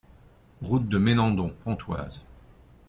Route de Ménandon, Pontoise